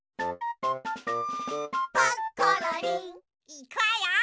いくわよ！